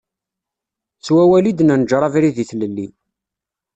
S wawal i d-nenjer abrid i tlelli.